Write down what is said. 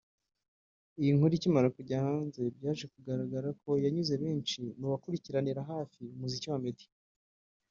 Iyi nkuru ikimara kujya hanze byaje kugaragara ko yanyuze benshi mu bakurikiranira hafi umuziki wa Meddy